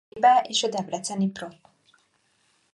Szemlébe és a Debreczeni Prot.